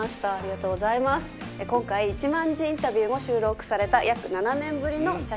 今回１万字インタビューも収録された約７年ぶりの写真集です。